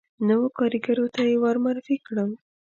نورو کاریګرو ته یې ور معرفي کړم.